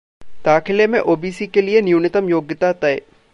दाखिले में ओबीसी के लिए न्यूनतम योग्यता तय